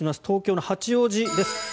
東京の八王子です。